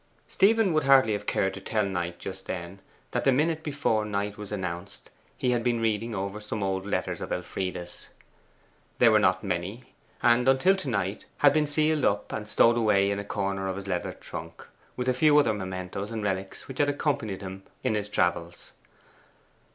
Stephen would hardly have cared to tell Knight just then that the minute before Knight was announced he had been reading over some old letters of Elfride's. They were not many; and until to night had been sealed up, and stowed away in a corner of his leather trunk, with a few other mementoes and relics which had accompanied him in his travels.